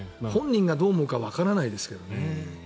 本人がどう思うかわからないですけどね。